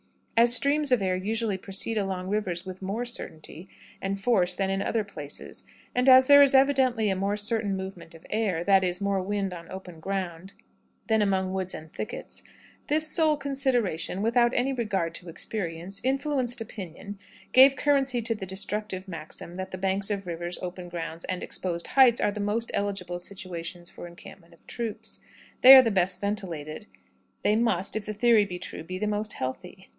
"As streams of air usually proceed along rivers with more certainty and force than in other places, and as there is evidently a more certain movement of air, that is, more wind on open grounds than among woods and thickets, this sole consideration, without any regard to experience, influenced opinion, gave currency to the destructive maxim that the banks of rivers, open grounds, and exposed heights are the most eligible situations for the encampment of troops. They are the best ventilated; they must, if the theory be true, be the most healthy.